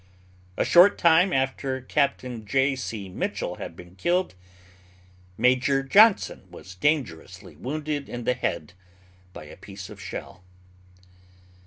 A short time after Capt. J.C. Mitchell had been killed, Major Johnson was dangerously wounded in the head by a piece of shell.